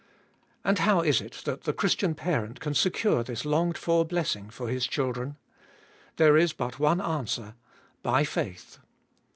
And how is it that the Christian parent can secure this longed for blessing for his children ? There is but one answer : By faith.